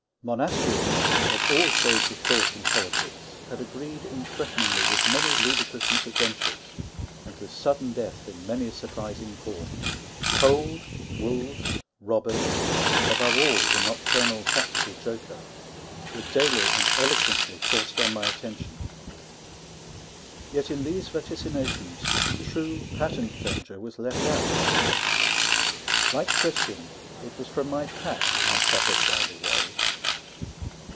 Monastrians, of all shades of thought in politics, had agreed in threatening me with many ludicrous misadventures, and with sudden death in many surprising forms. Cold, wolves, robbers, above all the nocturnal practical joker, were daily and eloquently forced on my attention. Yet in these vaticinations, the true, patent danger was left out. Like Christian, it was from my pack I suffered by the way.